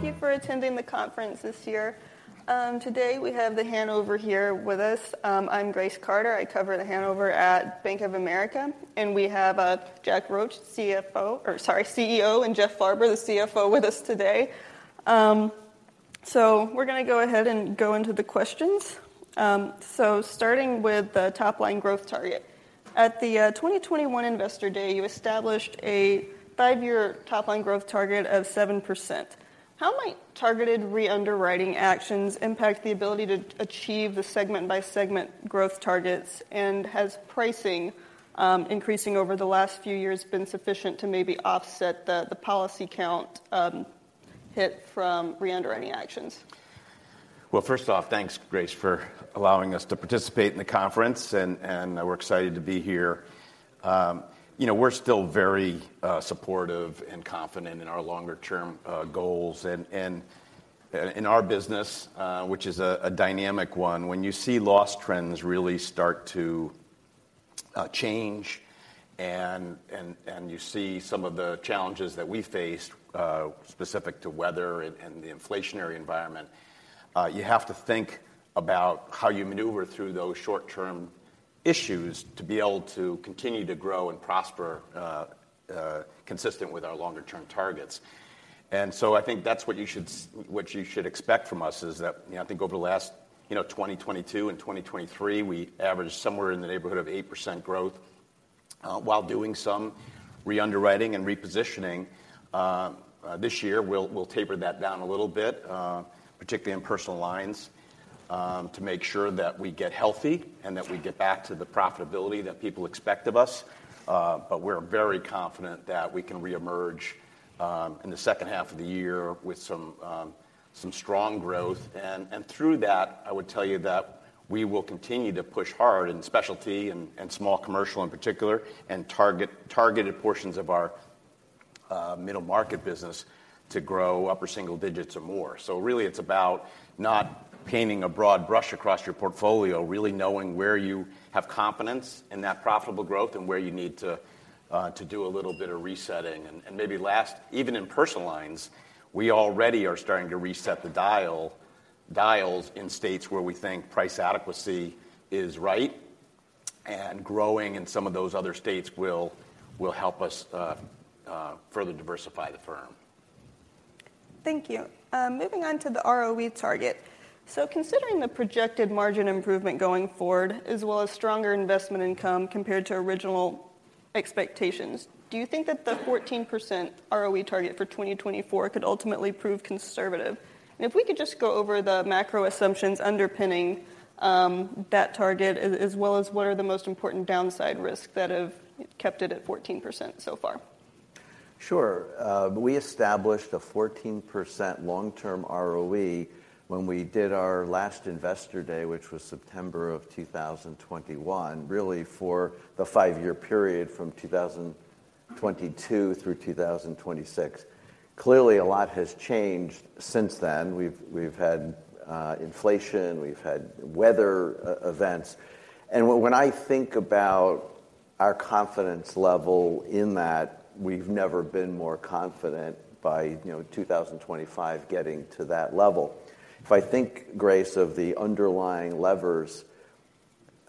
Thank you for attending the conference this year. Today we have The Hanover here with us. I'm Grace Carter. I cover The Hanover at Bank of America, and we have Jack Roche, CFO or sorry, CEO, and Jeff Farber, the CFO, with us today. We're gonna go ahead and go into the questions. Starting with the top-line growth target. At the 2021 Investor Day, you established a five-year top-line growth target of 7%. How might targeted re-underwriting actions impact the ability to achieve the segment-by-segment growth targets, and has pricing, increasing over the last few years been sufficient to maybe offset the policy count hit from re-underwriting actions? Well, first off, thanks, Grace, for allowing us to participate in the conference, and we're excited to be here. You know, we're still very supportive and confident in our longer-term goals. In our business, which is a dynamic one, when you see loss trends really start to change and you see some of the challenges that we faced, specific to weather and the inflationary environment, you have to think about how you maneuver through those short-term issues to be able to continue to grow and prosper, consistent with our longer-term targets. And so I think that's what you should expect from us is that, you know, I think over the last, you know, 2022 and 2023, we averaged somewhere in the neighborhood of 8% growth. While doing some re-underwriting and repositioning, this year, we'll, we'll taper that down a little bit, particularly in personal lines, to make sure that we get healthy and that we get back to the profitability that people expect of us. But we're very confident that we can reemerge in the second half of the year with some strong growth. And through that, I would tell you that we will continue to push hard in specialty and small commercial in particular, and targeted portions of our middle-market business to grow upper single digits or more. So really, it's about not painting a broad brush across your portfolio, really knowing where you have confidence in that profitable growth and where you need to do a little bit of resetting. And maybe last, even in Personal Lines, we already are starting to reset the dial in states where we think price adequacy is right, and growing in some of those other states will help us further diversify the firm. Thank you. Moving on to the ROE target. So considering the projected margin improvement going forward, as well as stronger investment income compared to original expectations, do you think that the 14% ROE target for 2024 could ultimately prove conservative? And if we could just go over the macro assumptions underpinning that target, as well as what are the most important downside risks that have kept it at 14% so far? Sure. We established a 14% long-term ROE when we did our last Investor Day, which was September of 2021, really for the five-year period from 2022 through 2026. Clearly, a lot has changed since then. We've had inflation. We've had weather events. And when I think about our confidence level in that, we've never been more confident by, you know, 2025 getting to that level. If I think, Grace, of the underlying levers,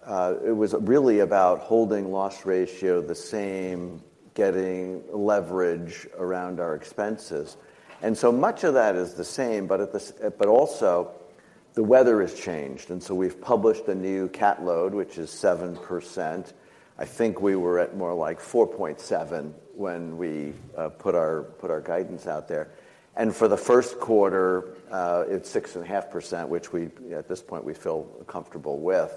it was really about holding loss ratio the same, getting leverage around our expenses. And so much of that is the same, but also, the weather has changed. And so we've published a new cat load, which is 7%. I think we were at more like 4.7 when we put our guidance out there. And for the first quarter, it's 6.5%, which at this point we feel comfortable with.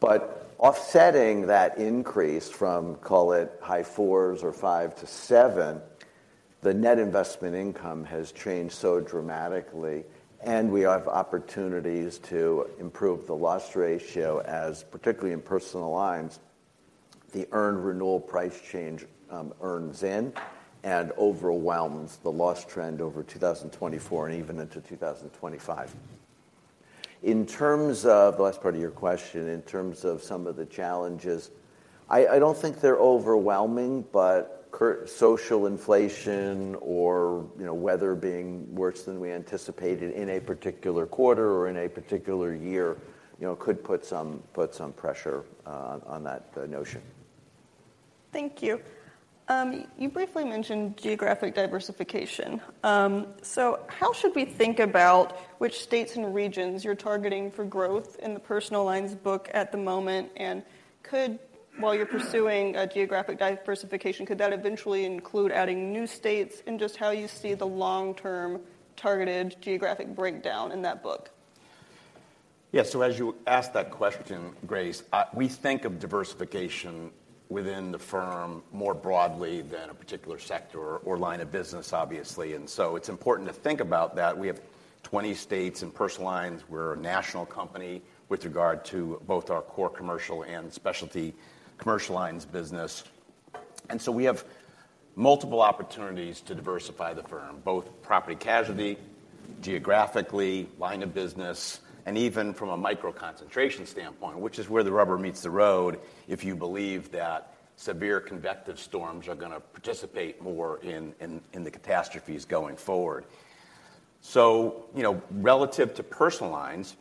But offsetting that increase from, call it, high 4s or 5-7, the net investment income has changed so dramatically, and we have opportunities to improve the loss ratio as, particularly in Personal Lines, the earned renewal price change earns in and overwhelms the loss trend over 2024 and even into 2025. In terms of the last part of your question, in terms of some of the challenges, I, I don't think they're overwhelming, but our Social Inflation or, you know, weather being worse than we anticipated in a particular quarter or in a particular year, you know, could put some pressure on that notion. Thank you. You briefly mentioned geographic diversification. How should we think about which states and regions you're targeting for growth in the Personal Lines book at the moment? And could, while you're pursuing geographic diversification, could that eventually include adding new states and just how you see the long-term targeted geographic breakdown in that book? Yeah. So as you asked that question, Grace, we think of diversification within the firm more broadly than a particular sector or line of business, obviously. And so it's important to think about that. We have 20 states in Personal Lines. We're a national company with regard to both our core commercial and specialty commercial lines business. And so we have multiple opportunities to diversify the firm, both property casualty, geographically, line of business, and even from a micro-concentration standpoint, which is where the rubber meets the road if you believe that Severe Convective Storms are gonna participate more in the catastrophes going forward. So, you know, relative to Personal Lines,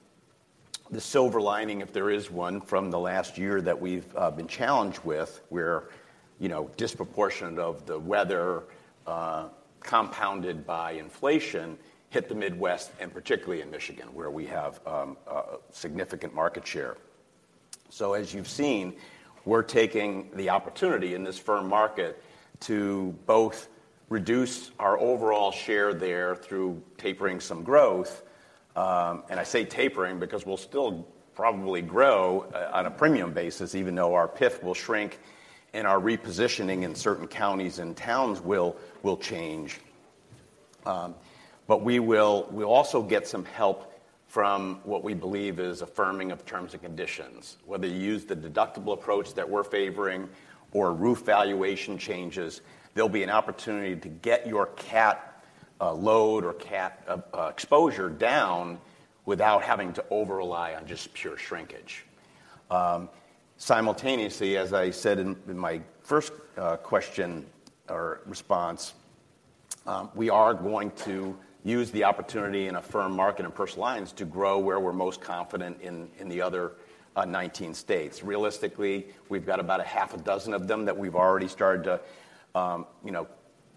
the silver lining, if there is one, from the last year that we've been challenged with where, you know, disproportionate of the weather, compounded by inflation, hit the Midwest and particularly in Michigan where we have a significant market share. So as you've seen, we're taking the opportunity in this firm market to both reduce our overall share there through tapering some growth, and I say tapering because we'll still probably grow on a premium basis even though our PIF will shrink and our repositioning in certain counties and towns will change. But we'll also get some help from what we believe is a firming of terms and conditions. Whether you use the deductible approach that we're favoring or roof valuation changes, there'll be an opportunity to get your cat load or cat exposure down without having to over-rely on just pure shrinkage. Simultaneously, as I said in my first question or response, we are going to use the opportunity in a firm market in Personal Lines to grow where we're most confident in the other 19 states. Realistically, we've got about a half a dozen of them that we've already started to, you know,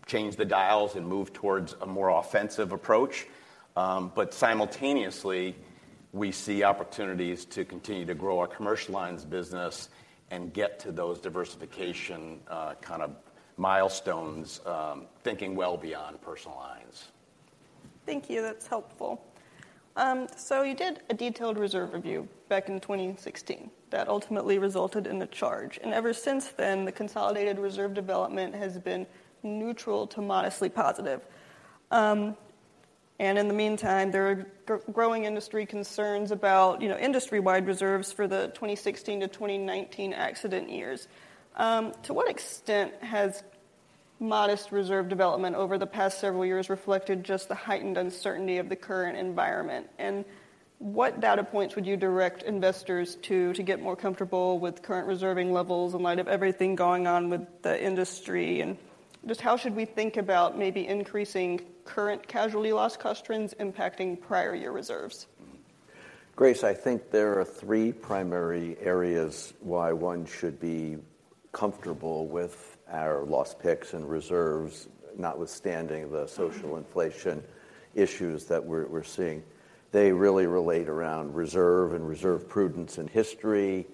change the dials and move towards a more offensive approach. But simultaneously, we see opportunities to continue to grow our commercial lines business and get to those diversification kind of milestones, thinking well beyond Personal Lines. Thank you. That's helpful. So you did a detailed reserve review back in 2016. That ultimately resulted in a charge. And ever since then, the consolidated reserve development has been neutral to modestly positive. And in the meantime, there are growing industry concerns about, you know, industry-wide reserves for the 2016 to 2019 accident years. To what extent has modest reserve development over the past several years reflected just the heightened uncertainty of the current environment? And what data points would you direct investors to, to get more comfortable with current reserving levels in light of everything going on with the industry? And just how should we think about maybe increasing current casualty loss cost trends impacting prior year reserves? Grace, I think there are three primary areas why one should be comfortable with our loss picks and reserves, notwithstanding the social inflation issues that we're seeing. They really relate around reserve and reserve prudence in history,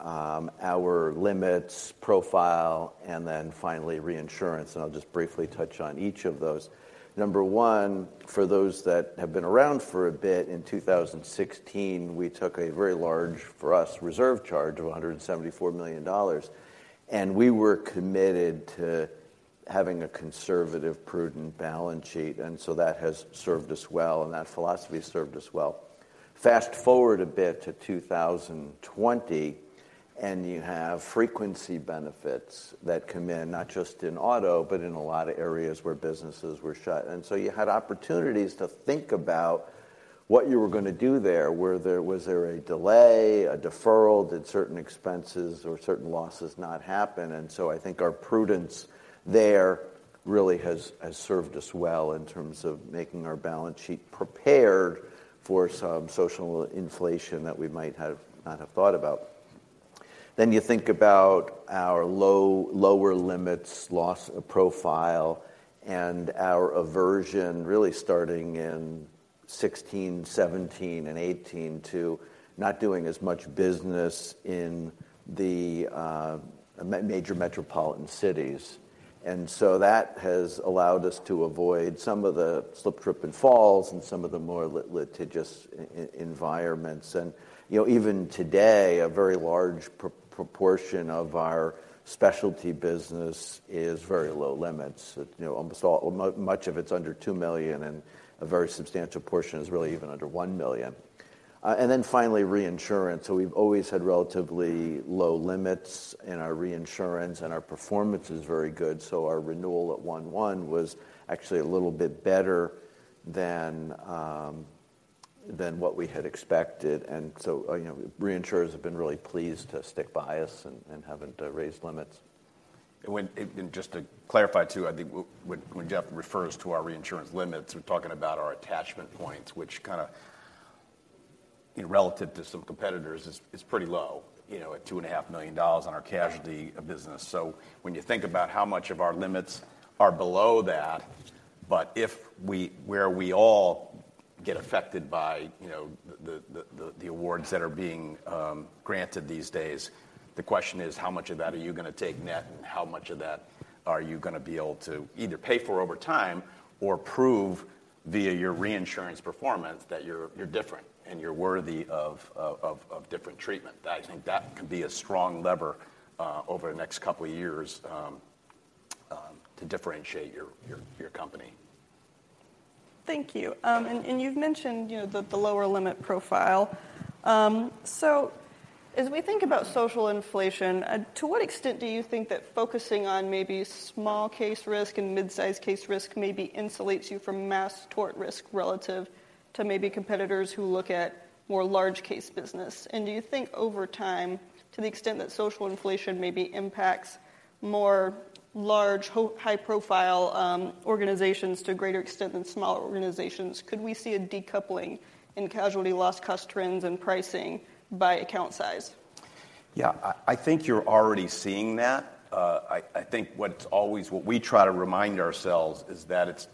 our limits, profile, and then finally reinsurance. I'll just briefly touch on each of those. Number one, for those that have been around for a bit, in 2016, we took a very large for us reserve charge of $174 million. We were committed to having a conservative, prudent balance sheet. So that has served us well, and that philosophy has served us well. Fast forward a bit to 2020, and you have frequency benefits that come in, not just in auto but in a lot of areas where businesses were shut. So you had opportunities to think about what you were gonna do there. Was there a delay, a deferral? Did certain expenses or certain losses not happen? And so I think our prudence there really has served us well in terms of making our balance sheet prepared for some social inflation that we might have not have thought about. Then you think about our lower limits loss profile and our aversion really starting in 2016, 2017, and 2018 to not doing as much business in the major metropolitan cities. And so that has allowed us to avoid some of the slip, trip, and falls in some of the more litigious environments. And, you know, even today, a very large proportion of our specialty business is very low limits. You know, almost all much of it's under $2 million, and a very substantial portion is really even under $1 million. And then finally, reinsurance. So we've always had relatively low limits in our reinsurance, and our performance is very good. So our renewal at 1.1 was actually a little bit better than what we had expected. And so, you know, reinsurers have been really pleased to stick by us and haven't raised limits. Just to clarify too, I think when Jeff refers to our reinsurance limits, we're talking about our attachment points, which kind of, you know, relative to some competitors, is pretty low, you know, at $2.5 million on our casualty business. So when you think about how much of our limits are below that, but if we, where we all get affected by, you know, the awards that are being granted these days, the question is, how much of that are you gonna take net, and how much of that are you gonna be able to either pay for over time or prove via your reinsurance performance that you're different and you're worthy of different treatment? I think that can be a strong lever, over the next couple of years, to differentiate your company. Thank you. You've mentioned, you know, the lower limit profile. So as we think about Social Inflation, to what extent do you think that focusing on maybe small-case risk and midsize-case risk maybe insulates you from mass tort risk relative to maybe competitors who look at more large-case business? Do you think over time, to the extent that Social Inflation maybe impacts more large high-profile organizations to a greater extent than smaller organizations, could we see a decoupling in casualty loss cost trends and pricing by account size? Yeah. I, I think you're already seeing that. I, I think what it's always what we try to remind ourselves is that it's,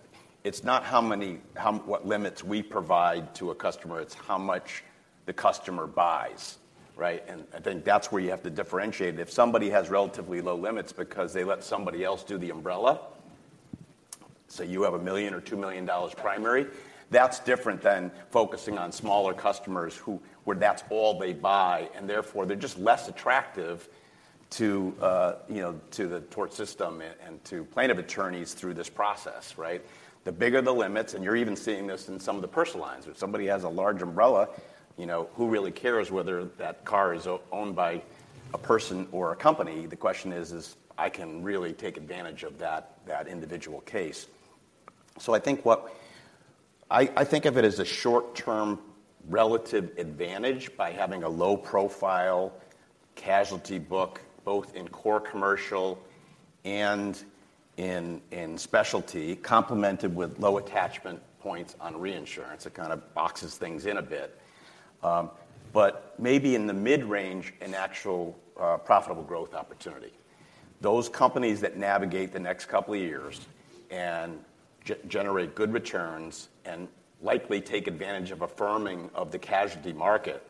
it's not how many how what limits we provide to a customer. It's how much the customer buys, right? And I think that's where you have to differentiate. If somebody has relatively low limits because they let somebody else do the umbrella, so you have $1 million or $2 million primary, that's different than focusing on smaller customers who where that's all they buy, and therefore, they're just less attractive to, you know, to the tort system and to plaintiff attorneys through this process, right? The bigger the limits and you're even seeing this in some of the Personal Lines. If somebody has a large umbrella, you know, who really cares whether that car is owned by a person or a company? The question is, I can really take advantage of that individual case. So I think what I think of it as a short-term relative advantage by having a low-profile casualty book both in core commercial and in specialty complemented with low attachment points on reinsurance. It kind of boxes things in a bit, but maybe in the mid-range, an actual, profitable growth opportunity. Those companies that navigate the next couple of years and generate good returns and likely take advantage of affirming of the casualty market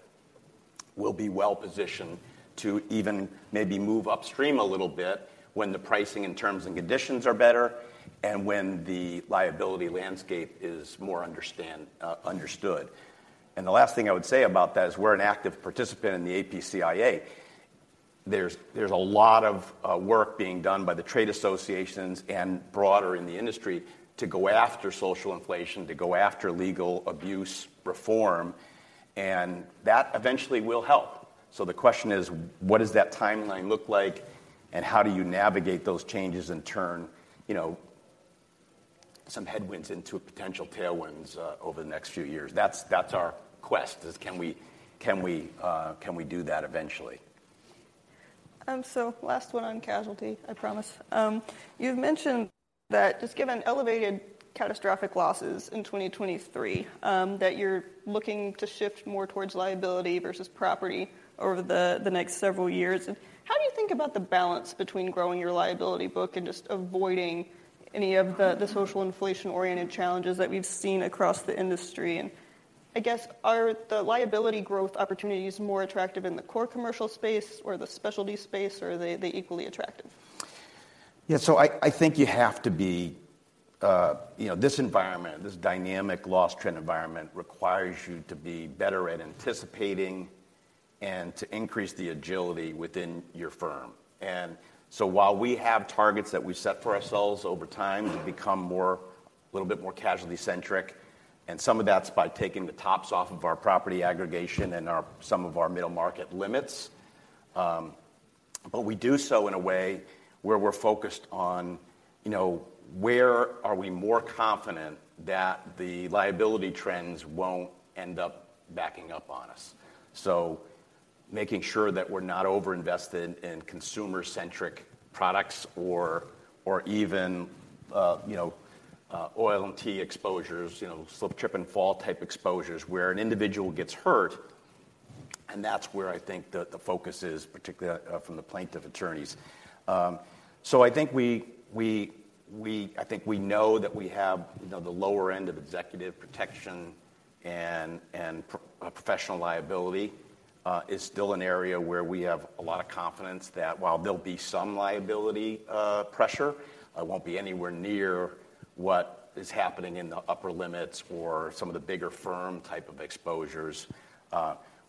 will be well-positioned to even maybe move upstream a little bit when the pricing and terms and conditions are better and when the liability landscape is more understood. And the last thing I would say about that is we're an active participant in the APCIA. There's a lot of work being done by the trade associations and broader in the industry to go after social inflation, to go after legal abuse reform. And that eventually will help. So the question is, what does that timeline look like, and how do you navigate those changes and turn, you know, some headwinds into potential tailwinds, over the next few years? That's our quest: can we do that eventually? Last one on casualty, I promise. You've mentioned that just given elevated catastrophic losses in 2023, that you're looking to shift more towards liability versus property over the next several years. How do you think about the balance between growing your liability book and just avoiding any of the social inflation-oriented challenges that we've seen across the industry? I guess, are the liability growth opportunities more attractive in the core commercial space or the specialty space, or are they equally attractive? Yeah. So I think you have to be, you know, this environment, this dynamic loss trend environment requires you to be better at anticipating and to increase the agility within your firm. And so while we have targets that we set for ourselves over time to become more a little bit more casualty-centric, and some of that's by taking the tops off of our property aggregation and some of our middle market limits, but we do so in a way where we're focused on, you know, where are we more confident that the liability trends won't end up backing up on us. So making sure that we're not over-invested in consumer-centric products or even, you know, OL&T exposures, you know, slip, trip, and fall type exposures where an individual gets hurt. And that's where I think the focus is, particularly from the plaintiff attorneys. So I think we know that we have, you know, the lower end of executive protection and professional liability is still an area where we have a lot of confidence that while there'll be some liability pressure, it won't be anywhere near what is happening in the upper limits or some of the bigger firm type of exposures.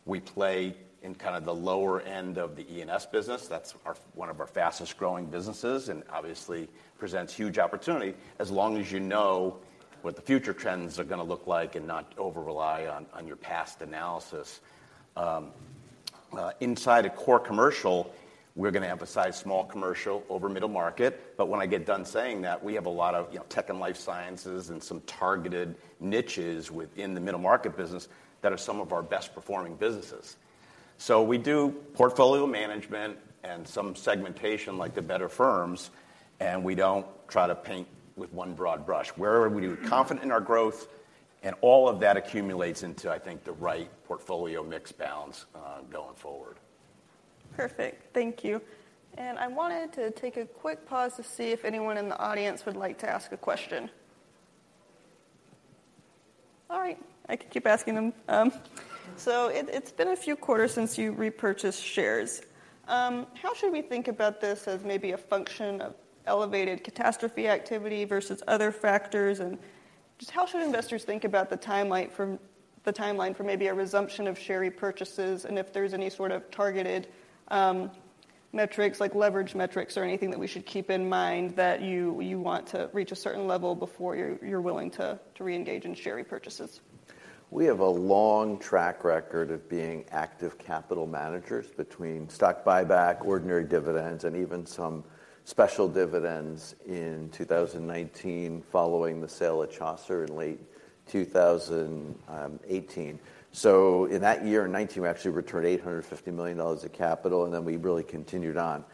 We play in kind of the lower end of the E&S business. That's one of our fastest-growing businesses and obviously presents huge opportunity as long as you know what the future trends are gonna look like and not over-rely on your past analysis. Inside a core commercial, we're gonna emphasize small commercial over middle market. But when I get done saying that, we have a lot of, you know, tech and life sciences and some targeted niches within the middle market business that are some of our best-performing businesses. So we do portfolio management and some segmentation like the better firms, and we don't try to paint with one broad brush. Where are we confident in our growth? And all of that accumulates into, I think, the right portfolio mix balance, going forward. Perfect. Thank you. And I wanted to take a quick pause to see if anyone in the audience would like to ask a question. All right. I could keep asking them. So it's been a few quarters since you repurchased shares. How should we think about this as maybe a function of elevated catastrophe activity versus other factors? And just how should investors think about the timeline from the timeline for maybe a resumption of share repurchases and if there's any sort of targeted metrics like leverage metrics or anything that we should keep in mind that you want to reach a certain level before you're willing to re-engage in share repurchases? We have a long track record of being active capital managers between stock buyback, ordinary dividends, and even some special dividends in 2019 following the sale of Chaucer in late 2018. So in that year in 2019, we actually returned $850 million of capital, and then we really continued on.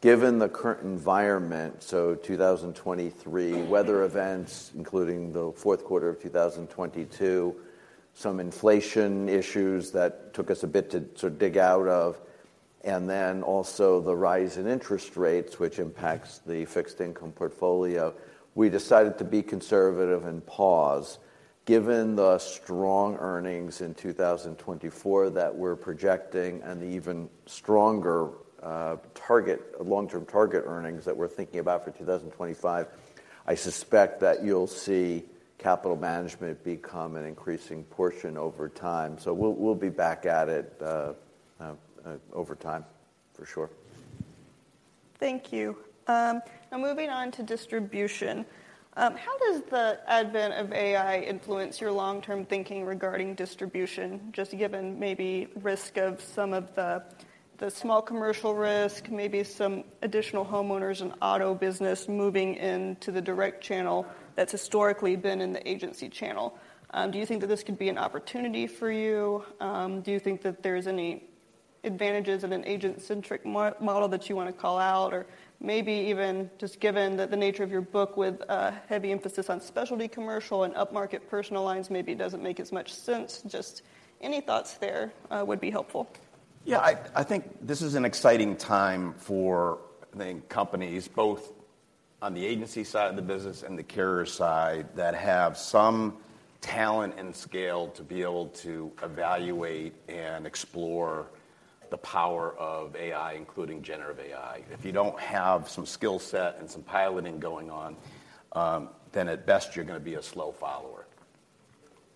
Given the current environment, so 2023, weather events including the fourth quarter of 2022, some inflation issues that took us a bit to sort of dig out of, and then also the rise in interest rates, which impacts the fixed income portfolio, we decided to be conservative and pause. Given the strong earnings in 2024 that we're projecting and the even stronger, target long-term target earnings that we're thinking about for 2025, I suspect that you'll see capital management become an increasing portion over time. So we'll, we'll be back at it, over time for sure. Thank you. Now moving on to distribution. How does the advent of AI influence your long-term thinking regarding distribution just given maybe risk of some of the, the small commercial risk, maybe some additional homeowners and auto business moving into the direct channel that's historically been in the agency channel? Do you think that this could be an opportunity for you? Do you think that there's any advantages in an agent-centric mo-model that you wanna call out? Or maybe even just given that the nature of your book with a heavy emphasis on specialty commercial and upmarket personal lines maybe doesn't make as much sense. Just any thoughts there, would be helpful. Yeah. I think this is an exciting time for companies both on the agency side of the business and the carrier side that have some talent and scale to be able to evaluate and explore the power of AI including Generative AI. If you don't have some skill set and some piloting going on, then at best, you're gonna be a slow follower.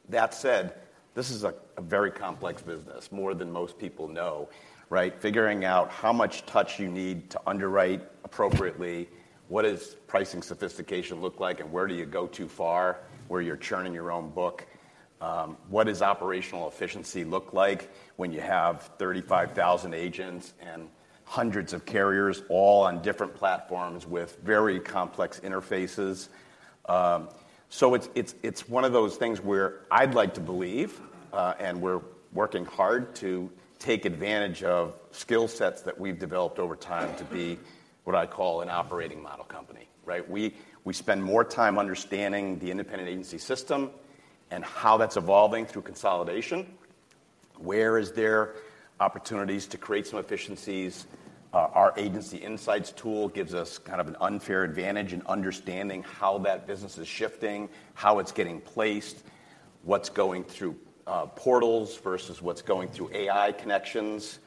That said, this is a very complex business more than most people know, right? Figuring out how much touch you need to underwrite appropriately, what does pricing sophistication look like, and where do you go too far where you're churning your own book? What does operational efficiency look like when you have 35,000 agents and hundreds of carriers all on different platforms with very complex interfaces? So it's one of those things where I'd like to believe, and we're working hard to take advantage of skill sets that we've developed over time to be what I call an operating model company, right? We spend more time understanding the independent agency system and how that's evolving through consolidation. Where is there opportunities to create some efficiencies? Our agency insights tool gives us kind of an unfair advantage in understanding how that business is shifting, how it's getting placed, what's going through portals versus what's going through AI connections,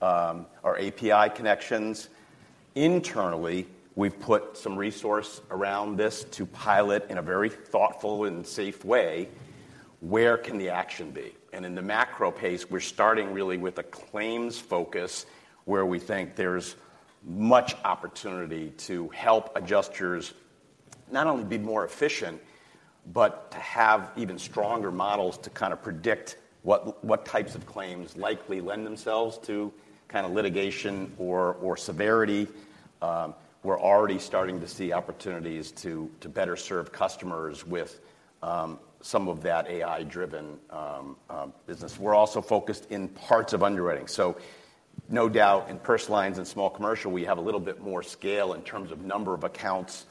or API connections. Internally, we've put some resource around this to pilot in a very thoughtful and safe way. Where can the action be? In the macro pace, we're starting really with a claims focus where we think there's much opportunity to help adjusters not only be more efficient but to have even stronger models to kind of predict what, what types of claims likely lend themselves to kind of litigation or, or severity. We're already starting to see opportunities to, to better serve customers with, some of that AI-driven, business. We're also focused in parts of underwriting. No doubt in Personal Lines and small commercial, we have a little bit more scale in terms of number of accounts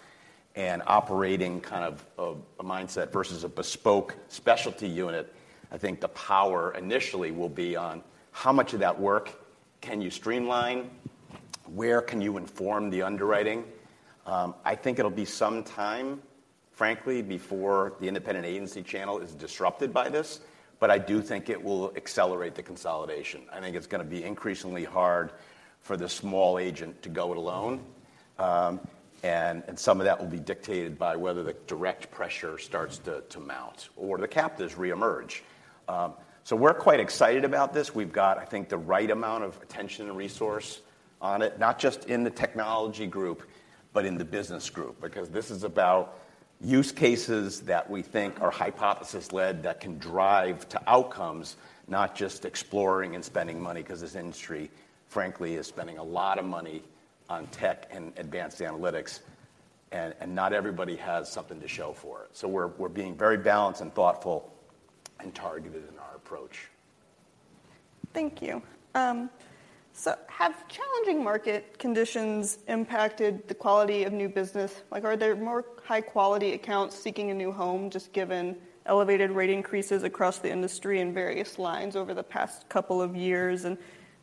and operating kind of a, a mindset versus a bespoke specialty unit. I think the power initially will be on how much of that work can you streamline? Where can you inform the underwriting? I think it'll be some time, frankly, before the independent agency channel is disrupted by this. But I do think it will accelerate the consolidation. I think it's gonna be increasingly hard for the small agent to go it alone. And, and some of that will be dictated by whether the direct pressure starts to, to mount or the carriers reemerge. So we're quite excited about this. We've got, I think, the right amount of attention and resource on it not just in the technology group but in the business group because this is about use cases that we think are hypothesis-led that can drive to outcomes not just exploring and spending money 'cause this industry, frankly, is spending a lot of money on tech and advanced analytics, and, and not everybody has something to show for it. So we're, we're being very balanced and thoughtful and targeted in our approach. Thank you. So have challenging market conditions impacted the quality of new business? Like, are there more high-quality accounts seeking a new home just given elevated rate increases across the industry in various lines over the past couple of years? And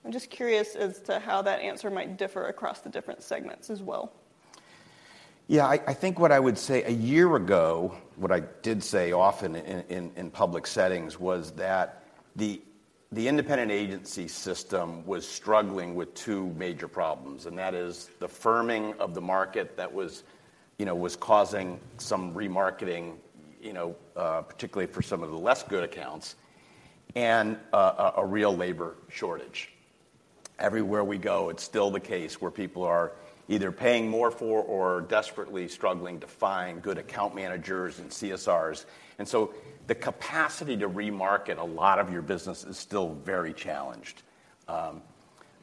I'm just curious as to how that answer might differ across the different segments as well. Yeah. I think what I would say a year ago what I did say often in public settings was that the independent agency system was struggling with two major problems. And that is the firming of the market that was, you know, causing some remarketing, you know, particularly for some of the less good accounts and a real labor shortage. Everywhere we go, it's still the case where people are either paying more for or desperately struggling to find good account managers and CSRs. And so the capacity to remarket a lot of your business is still very challenged.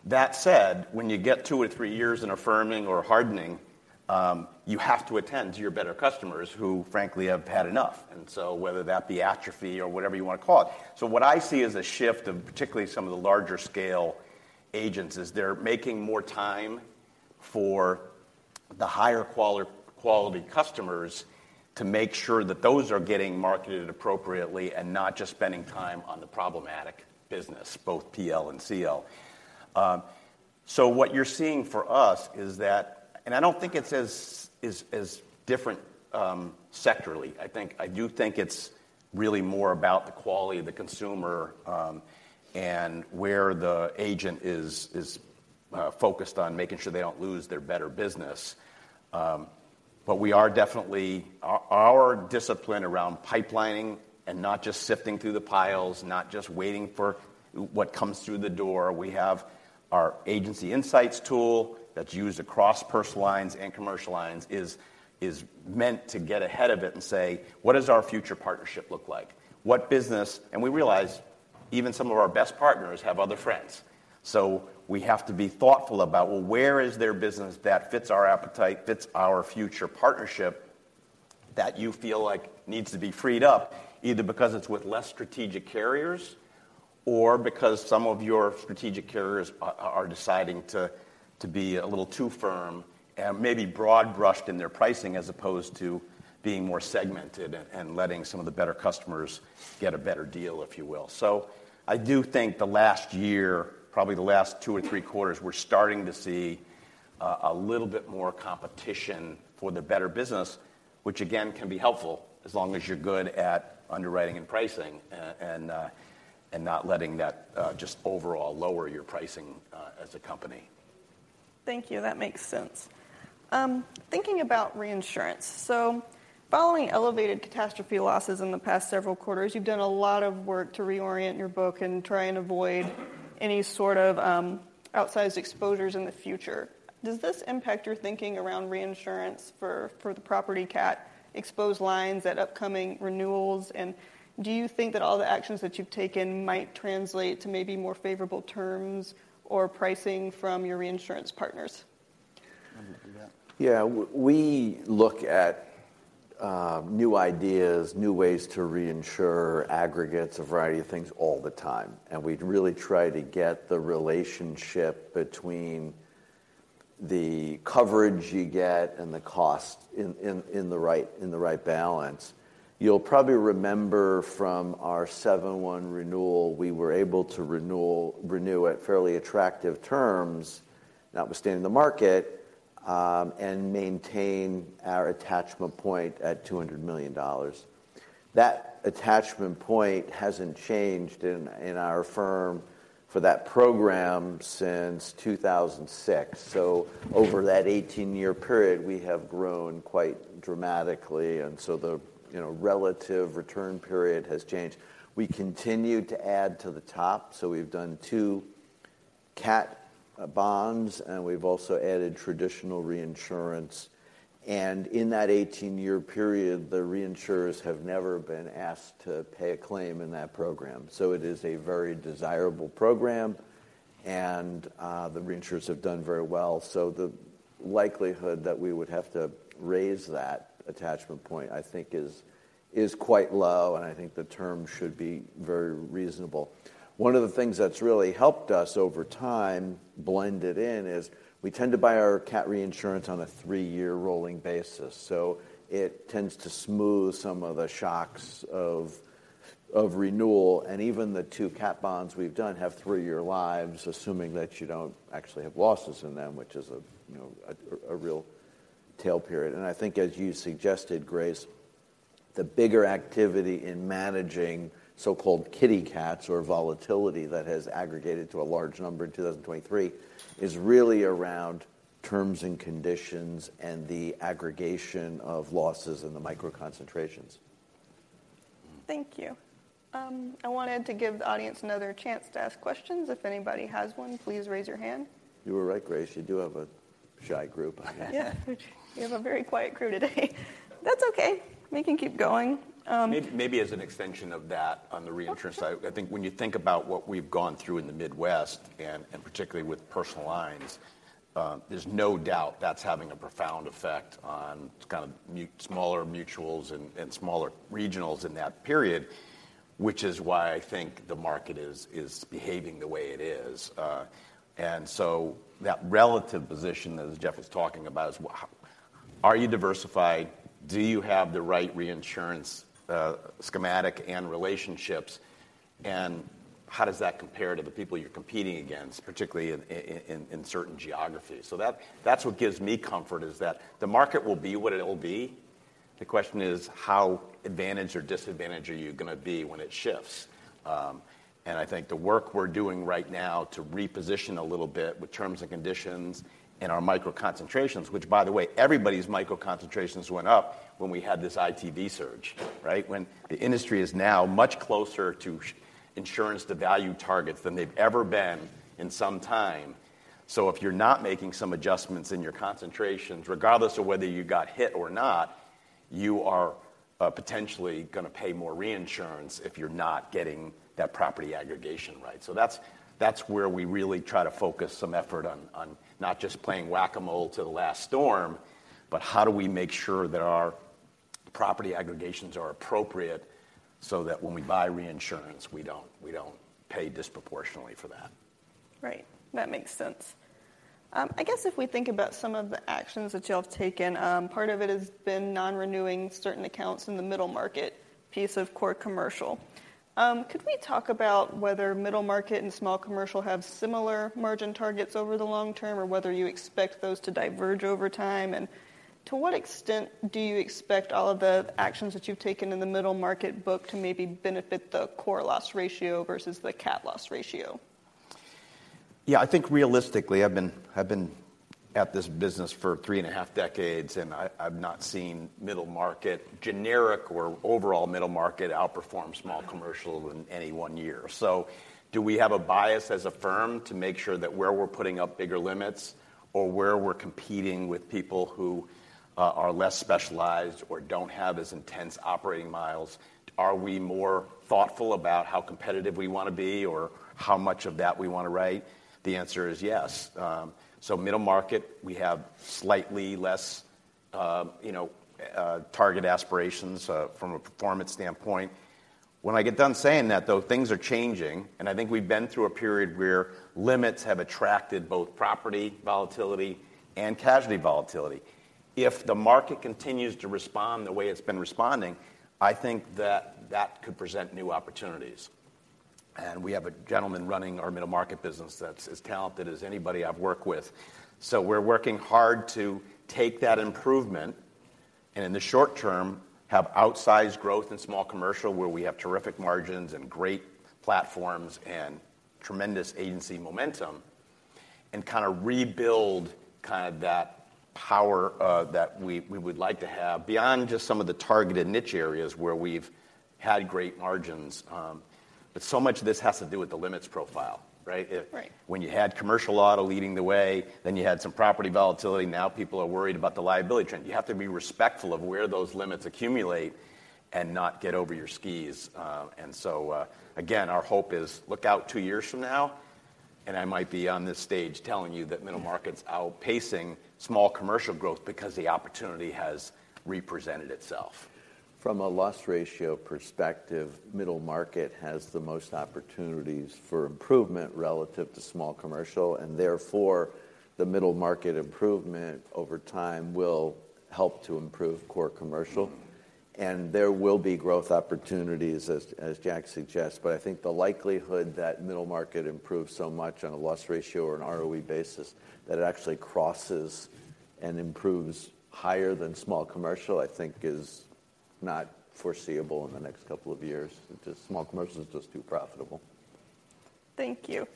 That said, when you get two or three years in affirming or hardening, you have to attend to your better customers who, frankly, have had enough. And so whether that be atrophy or whatever you wanna call it. So what I see is a shift of particularly some of the larger-scale agents is they're making more time for the higher-quality customers to make sure that those are getting marketed appropriately and not just spending time on the problematic business both PL and CL. What you're seeing for us is that and I don't think it's as different, sectorally. I think I do think it's really more about the quality of the consumer, and where the agent is focused on making sure they don't lose their better business. We are definitely our discipline around pipelining and not just sifting through the piles, not just waiting for what comes through the door. We have our agency insights tool that's used across Personal Lines and Commercial Lines is meant to get ahead of it and say, "What does our future partnership look like? What business and we realize even some of our best partners have other friends. So we have to be thoughtful about, well, where is their business that fits our appetite, fits our future partnership that you feel like needs to be freed up either because it's with less strategic carriers or because some of your strategic carriers are deciding to be a little too firm and maybe broad-brushed in their pricing as opposed to being more segmented and letting some of the better customers get a better deal, if you will. So I do think the last year probably the last two or three quarters, we're starting to see a little bit more competition for the better business, which again can be helpful as long as you're good at underwriting and pricing and not letting that just overall lower your pricing, as a company. Thank you. That makes sense. Thinking about reinsurance. So following elevated catastrophe losses in the past several quarters, you've done a lot of work to reorient your book and try and avoid any sort of, outsized exposures in the future. Does this impact your thinking around reinsurance for, for the property CAT exposed lines at upcoming renewals? And do you think that all the actions that you've taken might translate to maybe more favorable terms or pricing from your reinsurance partners? I'm gonna do that. Yeah. We look at new ideas, new ways to reinsure aggregates, a variety of things all the time. And we really try to get the relationship between the coverage you get and the cost in the right balance. You'll probably remember from our 2021 renewal, we were able to renew at fairly attractive terms notwithstanding the market, and maintain our attachment point at $200 million. That attachment point hasn't changed in our firm for that program since 2006. So over that 18-year period, we have grown quite dramatically. And so the you know, relative return period has changed. We continue to add to the top. So we've done two CAT bonds, and we've also added traditional reinsurance. And in that 18-year period, the reinsurers have never been asked to pay a claim in that program. So it is a very desirable program. And the reinsurers have done very well. So the likelihood that we would have to raise that attachment point, I think, is quite low. And I think the term should be very reasonable. One of the things that's really helped us over time blend it in is we tend to buy our CAT reinsurance on a three-year rolling basis. So it tends to smooth some of the shocks of renewal. And even the two CAT bonds we've done have three-year lives assuming that you don't actually have losses in them, which is, you know, a real tail period. And I think as you suggested, Grace, the bigger activity in managing so-called kitty cats or volatility that has aggregated to a large number in 2023 is really around terms and conditions and the aggregation of losses and the microconcentrations. Thank you. I wanted to give the audience another chance to ask questions. If anybody has one, please raise your hand. You were right, Grace. You do have a shy group. Yeah. You have a very quiet crew today. That's okay. We can keep going. Maybe, maybe as an extension of that on the reinsurance side, I, I think when you think about what we've gone through in the Midwest and, and particularly with Personal Lines, there's no doubt that's having a profound effect on kind of much smaller mutuals and, and smaller regionals in that period, which is why I think the market is, is behaving the way it is. And so that relative position that Jeff was talking about is what, how are you diversified? Do you have the right reinsurance schematic and relationships? And how does that compare to the people you're competing against, particularly in, in, in, in certain geographies? So that, that's what gives me comfort is that the market will be what it'll be. The question is how advantaged or disadvantaged are you gonna be when it shifts? I think the work we're doing right now to reposition a little bit with terms and conditions and our microconcentrations, which by the way, everybody's microconcentrations went up when we had this ITV surge, right? When the industry is now much closer to insurance-to-value targets than they've ever been in some time. So if you're not making some adjustments in your concentrations regardless of whether you got hit or not, you are potentially gonna pay more reinsurance if you're not getting that property aggregation right. So that's, that's where we really try to focus some effort on, on not just playing whack-a-mole to the last storm, but how do we make sure that our property aggregations are appropriate so that when we buy reinsurance, we don't we don't pay disproportionately for that? Right. That makes sense. I guess if we think about some of the actions that you all have taken, part of it has been non-renewing certain accounts in the middle market piece of core commercial. Could we talk about whether middle market and small commercial have similar margin targets over the long term or whether you expect those to diverge over time? And to what extent do you expect all of the actions that you've taken in the middle market book to maybe benefit the core loss ratio versus the CAT loss ratio? Yeah. I think realistically, I've been at this business for three and a half decades, and I, I've not seen middle market generic or overall middle market outperform small commercial in any one year. So do we have a bias as a firm to make sure that where we're putting up bigger limits or where we're competing with people who are less specialized or don't have as intense operating models, are we more thoughtful about how competitive we wanna be or how much of that we wanna write? The answer is yes. So middle market, we have slightly less, you know, target aspirations from a performance standpoint. When I get done saying that, though, things are changing. And I think we've been through a period where limits have attracted both property volatility and casualty volatility. If the market continues to respond the way it's been responding, I think that that could present new opportunities. And we have a gentleman running our middle market business that's as talented as anybody I've worked with. So we're working hard to take that improvement and in the short term, have outsized growth in small commercial where we have terrific margins and great platforms and tremendous agency momentum and kinda rebuild kinda that power, that we, we would like to have beyond just some of the targeted niche areas where we've had great margins. But so much of this has to do with the limits profile, right? If. Right. When you had commercial auto leading the way, then you had some property volatility. Now people are worried about the liability trend. You have to be respectful of where those limits accumulate and not get over your skis. And so, again, our hope is look out two years from now, and I might be on this stage telling you that middle market's outpacing small commercial growth because the opportunity has represented itself. From a loss ratio perspective, middle market has the most opportunities for improvement relative to small commercial. And therefore, the middle market improvement over time will help to improve core commercial. And there will be growth opportunities as Jack suggests. But I think the likelihood that middle market improves so much on a loss ratio or an ROE basis that it actually crosses and improves higher than small commercial, I think, is not foreseeable in the next couple of years. It just small commercial is just too profitable. Thank you.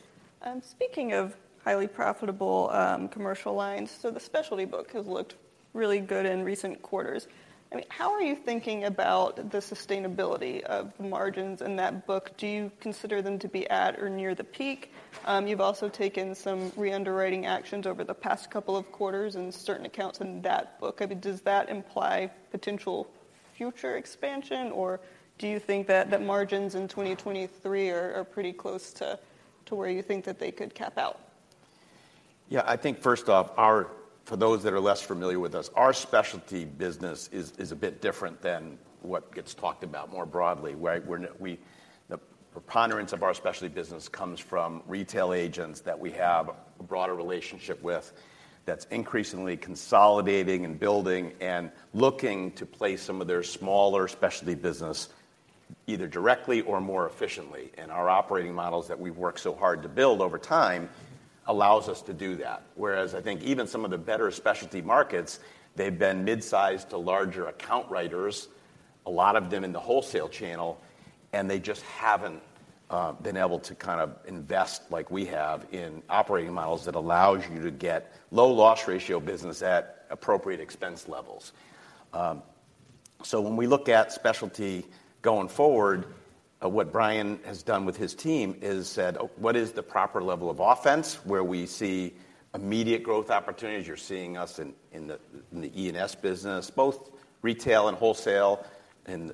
Speaking of highly profitable commercial lines, so the specialty book has looked really good in recent quarters. I mean, how are you thinking about the sustainability of the margins in that book? Do you consider them to be at or near the peak? You've also taken some reunderwriting actions over the past couple of quarters in certain accounts in that book. I mean, does that imply potential future expansion, or do you think that margins in 2023 are pretty close to where you think that they could cap out? Yeah. I think first off, for those that are less familiar with us, our specialty business is a bit different than what gets talked about more broadly. Where we, the preponderance of our specialty business comes from retail agents that we have a broader relationship with that's increasingly consolidating and building and looking to place some of their smaller specialty business either directly or more efficiently. And our operating models that we've worked so hard to build over time allows us to do that. Whereas I think even some of the better specialty markets, they've been midsize to larger account writers, a lot of them in the wholesale channel, and they just haven't been able to kinda invest like we have in operating models that allows you to get low loss ratio business at appropriate expense levels. So when we look at specialty going forward, what Bryan has done with his team is said, "Oh, what is the proper level of offense where we see immediate growth opportunities? You're seeing us in the E&S business, both retail and wholesale, in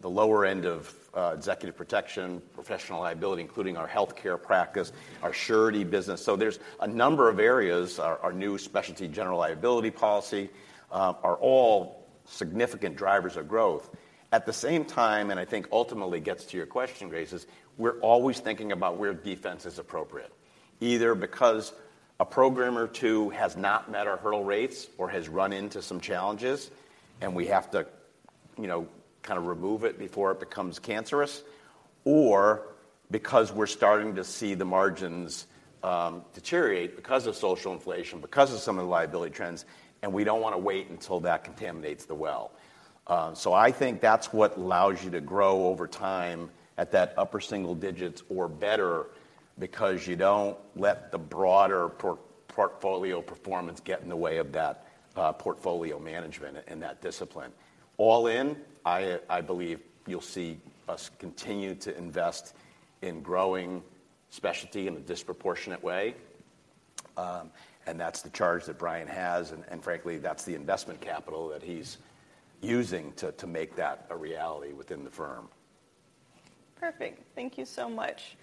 the lower end of executive protection, professional liability, including our healthcare practice, our surety business." So there's a number of areas. Our new specialty general liability policy are all significant drivers of growth. At the same time, and I think ultimately gets to your question, Grace, is we're always thinking about where defense is appropriate, either because a program or two has not met our hurdle rates or has run into some challenges, and we have to, you know, kinda remove it before it becomes cancerous, or because we're starting to see the margins deteriorate because of social inflation, because of some of the liability trends, and we don't wanna wait until that contaminates the well. I think that's what allows you to grow over time at that upper single digits or better because you don't let the broader portfolio performance get in the way of that, portfolio management and that discipline. All in, I, I believe you'll see us continue to invest in growing specialty in a disproportionate way. That's the charge that Bryan has. And, frankly, that's the investment capital that he's using to make that a reality within the firm. Perfect. Thank you so much.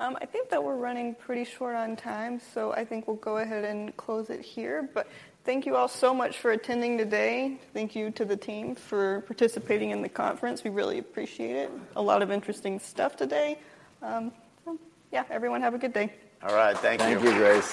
I think that we're running pretty short on time. So I think we'll go ahead and close it here. But thank you all so much for attending today. Thank you to the team for participating in the conference. We really appreciate it. A lot of interesting stuff today. So yeah, everyone, have a good day. All right. Thank you. Thank you, Grace.